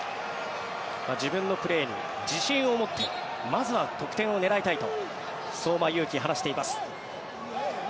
自分のプレーに自信を持ってまずは得点を狙いたいと相馬勇紀、話しています。